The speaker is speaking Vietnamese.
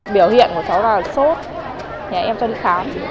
biểu hiện của cháu là sốt nhà em cho đi khám